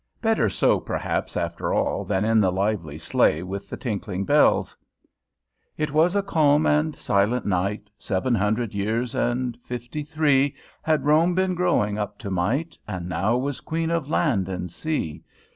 Better so, perhaps, after all, than in the lively sleigh, with the tinkling bells. "It was a calm and silent night! Seven hundred years and fifty three Had Rome been growing up to might, And now was queen of land and sea!